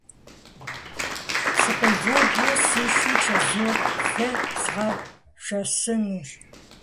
Сыкъивудмэ, си шым чэзуурэ фызгъэшэсынущ.